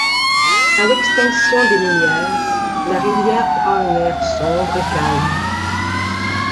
À l'extinction des lumières, la rivière prend un air sombre et calme.